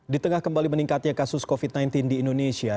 di tengah kembali meningkatnya kasus covid sembilan belas di indonesia